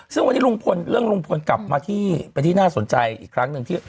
ซึ่งวันนี้ลุงพลเรื่องลุงพลกลับมาที่เป็นที่น่าสนใจอีกครั้งหนึ่งที่